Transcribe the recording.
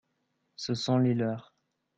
ce sont les leurs.